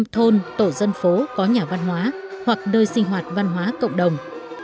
một trăm linh thôn tổ dân phố có nhà văn hóa hoặc nơi sinh hoạt văn hóa cộng đồng